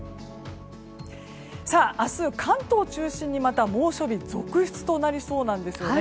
明日、関東中心にまた猛暑日続出となりそうです。